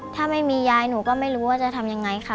ถ้าไม่มียายหนูก็ไม่รู้ว่าจะทำยังไงค่ะ